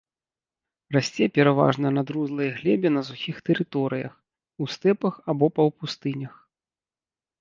Расце пераважна на друзлай глебе на сухіх тэрыторыях, у стэпах або паўпустынях.